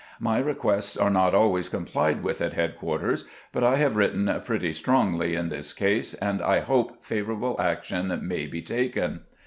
My requests are not always complied with at headquarters, but I have written pretty strongly in this case, and I hope favorable action may be taken."